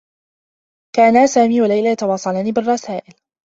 كانا سامي و ليلى يتواصلان بالرّسائل.